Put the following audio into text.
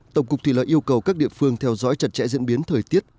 tổng cục thủy lợi yêu cầu các địa phương theo dõi chặt chẽ diễn biến thời tiết